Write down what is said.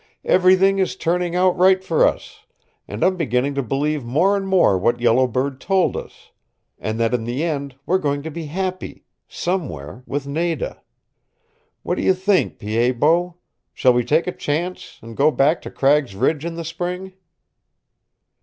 "Everything is turning out right for us, and I'm beginning to believe more and more what Yellow Bird told us, and that in the end we're going to be happy somewhere with Nada. What do you think, Pied Bot? Shall we take a chance, and go back to Cragg's Ridge in the spring?"